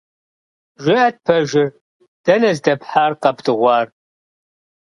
ЖыӀэт пэжыр, дэнэ здэпхьар къэбдыгъуар?